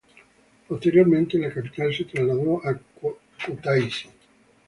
Posteriormente, la capital se trasladó a Kutaisi.